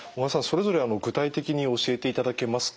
それぞれ具体的に教えていただけますか？